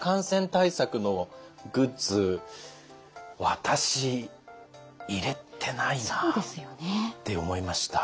私入れてないなって思いました。